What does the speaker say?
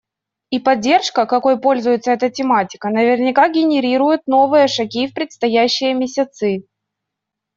И поддержка, какой пользуется эта тематика, наверняка генерирует новые шаги в предстоящие месяцы.